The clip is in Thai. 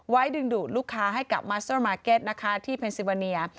ดึงดูดลูกค้าให้กับมัสเตอร์มาร์เก็ตนะคะที่เพนซิวาเนีย